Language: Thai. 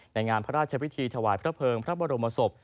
ในงานพระราชพิธีถวายพระเภิงพระบรมศพ